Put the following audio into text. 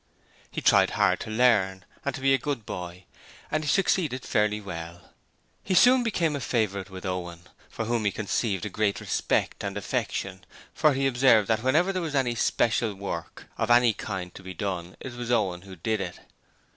He tried hard to learn, and to be a good boy, and he succeeded, fairly well. He soon became a favourite with Owen, for whom he conceived a great respect and affection, for he observed that whenever there was any special work of any kind to be done it was Owen who did it.